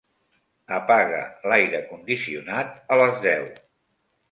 Apaga l'aire condicionat a les deu.